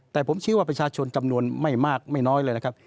แต่ผมเชื่อว่าประชาชนจำนวนไม่มากไม่น้อยเลยนะครับ